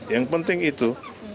yang penting itu